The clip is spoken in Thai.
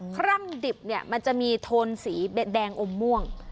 ครั่งดิบเนี่ยมันจะมีโทนสีแดงอมม่วง